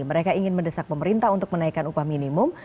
mereka ingin mendesak pemerintah untuk menaikkan upah minimum